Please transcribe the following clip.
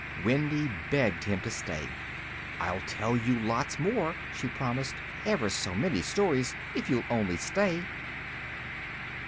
Wendy begged him to stay. "I'll tell you lots more," she promised, "ever so many stories if you'll only stay."